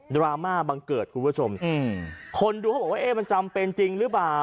ดราม่าบังเกิดคุณผู้ชมคนดูเขาบอกว่าเอ๊ะมันจำเป็นจริงหรือเปล่า